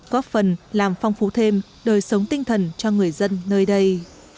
góp phần làm phong phú thêm đời sống tinh thần cho người dân nơi đây